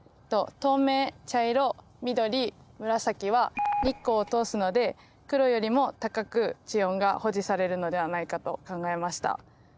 透明茶色緑紫は日光を通すので黒よりも高く地温が保持されるのではないかと考えました。